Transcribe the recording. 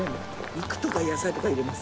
肉とか野菜とか入れます。